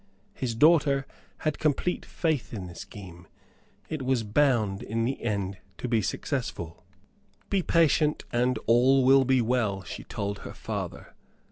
His daughter had complete faith in her scheme it was bound in the end to be successful. "Be patient, and all will be well," she told her father.